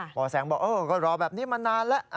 หมอแสงบอกก็รอแบบนี้มานานแล้ว